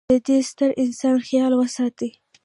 د د ې ستر انسان خیال وساتي.